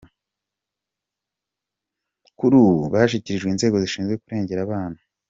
Kuri ubu bashyikirijwe inzego zishinzwe kurengera abaan.